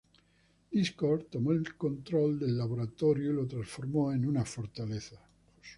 Discord tomó el control del laboratorio y lo transformó en una fortaleza.